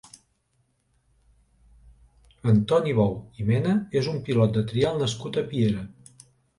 Antoni Bou i Mena és un pilot de trial nascut a Piera.